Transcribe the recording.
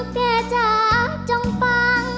แม่จะจ้องฟัง